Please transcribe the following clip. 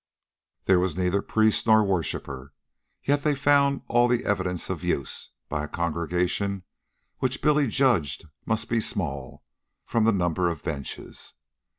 There was neither priest nor worshiper, yet they found all the evidences of use, by a congregation which Billy judged must be small from the number of the benches.